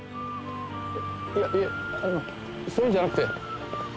いやいやあのそういうんじゃなくて。